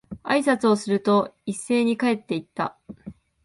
挨拶をすると、一斉に帰って行った。